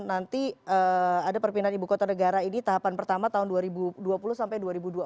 nanti ada perpindahan ibu kota negara ini tahapan pertama tahun dua ribu dua puluh sampai dua ribu dua puluh empat